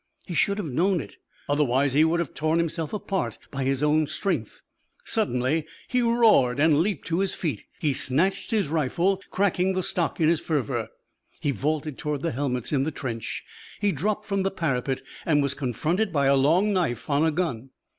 He should have known it otherwise he would have torn himself apart by his own strength. Suddenly he roared and leaped to his feet. He snatched his rifle, cracking the stock in his fervour. He vaulted toward the helmets in the trench. He dropped from the parapet and was confronted by a long knife on a gun.